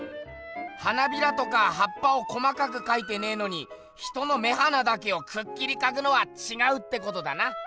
花びらとかはっぱを細かくかいてねえのに人の目鼻だけをくっきりかくのはちがうってことだな。